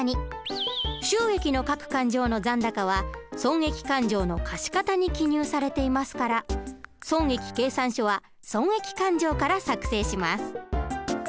収益の各勘定の残高は損益勘定の貸方に記入されていますから損益計算書は損益勘定から作成します。